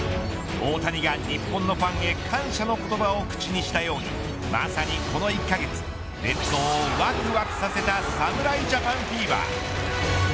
大谷が日本のファンへ感謝の言葉を口にしたようにまさにこの１カ月列島をわくわくさせた侍ジャパンフィーバー。